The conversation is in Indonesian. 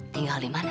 tinggal di mana